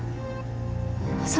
selama ini dia ngejepret ya kan kak